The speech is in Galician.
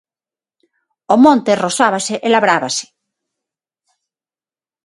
O monte rozábase e labrábase.